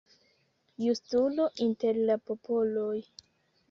Justulo inter la popoloj.